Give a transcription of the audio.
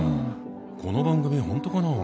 この番組本当かな？